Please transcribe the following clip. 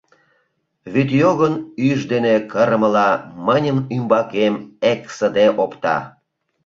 Вӱдйогын ӱш дене кырымыла мыньын ӱмбакем эксыде опта.